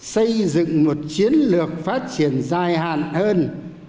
xây dựng một chiến lược phát triển dài hạn hơn